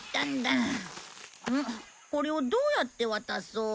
これをどうやって渡そう。